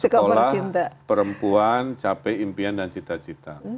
sekolah perempuan capek impian dan cita cita